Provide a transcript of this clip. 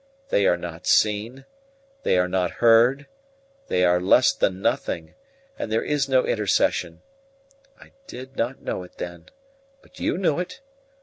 They are not seen; they are not heard, they are less than nothing, and there is no intercession. I did not know it then, but you knew it.